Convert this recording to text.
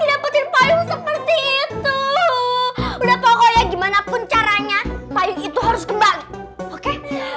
udah pokoknya gimanapun caranya baik itu harus kembali oke